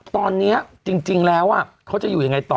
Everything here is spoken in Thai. ตอนนี้จริงแล้วเขาจะอยู่ยังไงต่อ